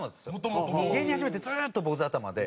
芸人始めてずっと坊主頭で。